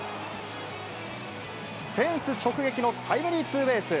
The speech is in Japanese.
フェンス直撃のタイムリーツーベース。